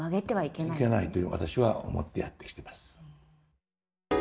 いけないと私は思ってやってきてます。